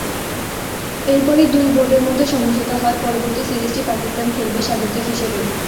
এরপরই দুই বোর্ডের মধ্যে সমঝোতা হয়, পরবর্তী সিরিজটি পাকিস্তান খেলবে স্বাগতিক হিসেবে।